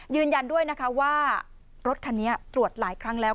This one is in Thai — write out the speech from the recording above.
ยืนยันด้วยนะคะว่ารถคันนี้ตรวจหลายครั้งแล้ว